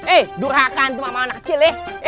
eh durhaka antum sama anak kecil ya